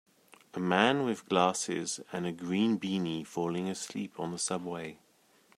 A man with glasses and a green beanie falling asleep on the subway.